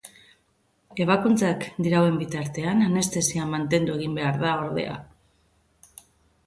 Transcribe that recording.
Ebakuntzak dirauen bitartean anestesia mantendu egin behar da ordea.